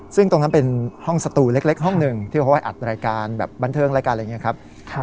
ซึ่งตรงนั้นเป็นห้องสตูเล็กห้องหนึ่งที่เขาให้อัดรายการแบบบันเทิงรายการอะไรอย่างนี้ครับ